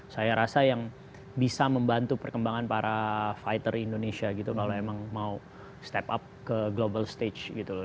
saya rasa yang bisa membantu perkembangan para fighter indonesia gitu kalau emang mau step up ke global stage gitu loh